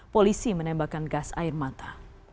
polisi menembakkan gas air mata